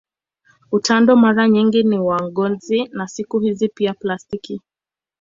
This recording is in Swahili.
Utando mara nyingi ni wa ngozi na siku hizi pia plastiki.